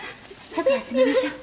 ちょっと休みましょう。